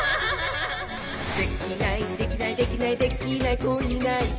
「できないできないできないできない子いないか」